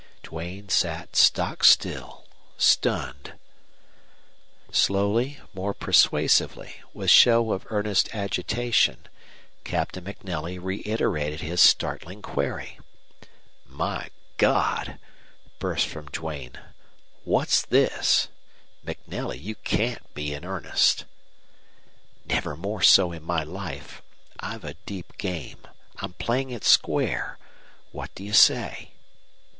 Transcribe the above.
Duane sat stock still, stunned. Slowly, more persuasively, with show of earnest agitation, Captain MacNelly reiterated his startling query. "My God!" burst from Duane. "What's this? MacNelly, you CAN'T be in earnest!" "Never more so in my life. I've a deep game. I'm playing it square. What do you say?"